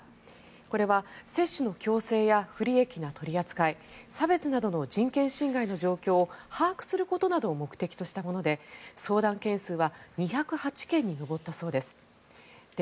これは接種の強制や不利益な取り扱い差別などの人権侵害の状況を把握することなどを目的としたもので相談件数は２０８件に上ったそうです。